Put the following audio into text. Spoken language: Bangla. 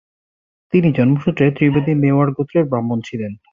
তিনি জন্মসূত্রে ত্রিবেদী মেওয়াড় গোত্রের ব্রাহ্মণ ছিলেন।